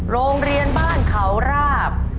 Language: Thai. โรงเรียนบ้านเขาราบ